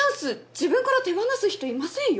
自分から手放す人いませんよ。